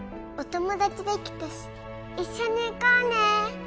お友達できたし一緒に行こうね！